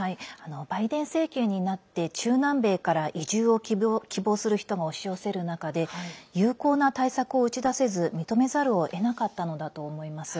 バイデン政権になって中南米から移住を希望する人が押し寄せる中で有効な対策を打ち出せず認めざるをえなかったのだと思います。